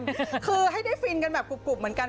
คือให้ได้ฟินกันแบบกรุบเหมือนกัน